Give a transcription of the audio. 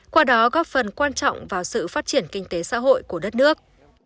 qua đó góp phần quan trọng vào sự phát triển kinh tế xã hội của đất nước